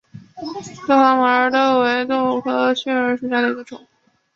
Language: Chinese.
大花雀儿豆为豆科雀儿豆属下的一个种。